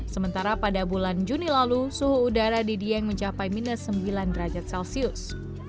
sementara pada bulan juni lalu suhu udara di dieng mencapai minus sembilan derajat celcius